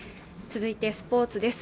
続いてスポーツです